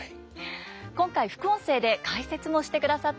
今回副音声で解説もしてくださっています。